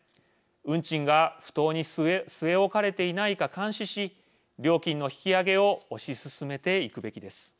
運賃が不当に据え置かれていないか監視し料金の引き上げを推し進めていくべきです。